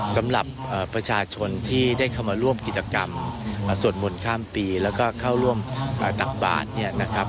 สำหรับประชาชนที่ได้เข้ามาร่วมกิจกรรมสวดมนต์ข้ามปีแล้วก็เข้าร่วมตักบาทเนี่ยนะครับ